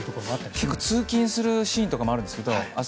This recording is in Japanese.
結構通勤するシーンとかもあるんですが、朝。